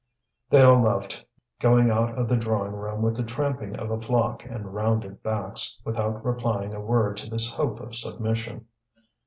They all left, going out of the drawing room with the tramping of a flock and rounded backs, without replying a word to this hope of submission.